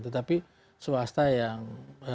tetapi swasta yang